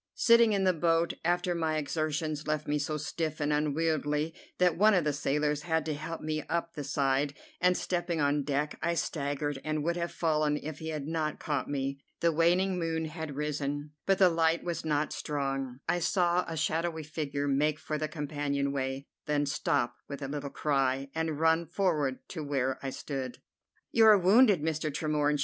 Sitting in the boat after my exertions left me so stiff and unwieldy that one of the sailors had to help me up the side, and, stepping on deck, I staggered, and would have fallen if he had not caught me. The waning moon had risen, but the light was not strong. I saw a shadowy figure make for the companion way, then stop with a little cry, and run forward to where I stood. "You are wounded, Mr. Tremorne!"